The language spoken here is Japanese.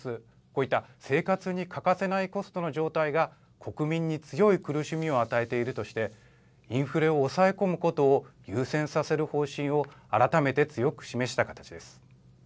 こういった生活に欠かせないコストの状態が国民に強い苦しみを与えているとしてインフレを抑え込むことを優先させる方針を改めて強く示した形です。